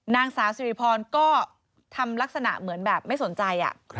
นางสาวสิริพรก็ทำลักษณะเหมือนแบบไม่สนใจ